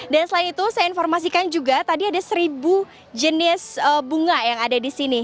dan selain itu saya informasikan juga tadi ada seribu jenis bunga yang ada di sini